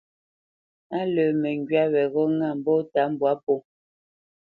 Á lə̄ məŋgywá weghó ŋâ mbɔ́ta mbwǎ pō.